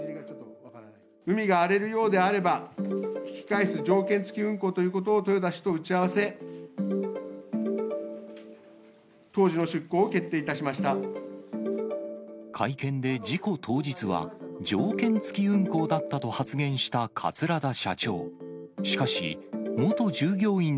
海が荒れるようであれば引き返す条件付き運航ということを豊田氏と打ち合わせ、会見で事故当日は、条件付き運航だったと発言した桂田社長。